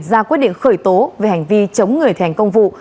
ra quyết định khởi tố về hành vi chống người thành công vụ